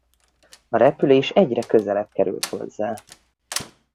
A repülés egyre közelebb került hozzá.